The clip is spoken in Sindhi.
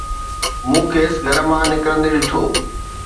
مون کيس گھر مان نڪرندي ڏٺو